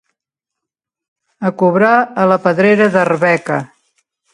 A cobrar a la pedrera d'Arbeca.